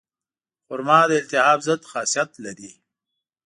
خرما د التهاب ضد خاصیت لري.